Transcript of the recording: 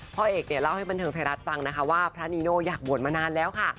พ่อเอกเนี่ยเล่าให้บันเทิงไทยรัฐฟังนะคะว่าพระนีโน่อยากบวชมานานแล้วค่ะ